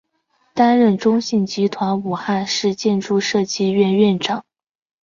担任中信集团武汉市建筑设计院院长。